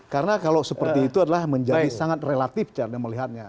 karena kalau seperti itu adalah menjadi sangat relatif cara melihatnya